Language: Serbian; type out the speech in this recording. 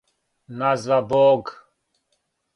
назва Бог